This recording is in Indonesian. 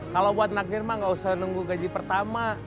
kalau buat nak nirma nggak usah nunggu gaji pertama